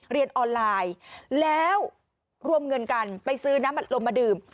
เรียนออนไลน์แล้วรวมเงินกันไปซื้อน้ำอัดลมมาดื่ม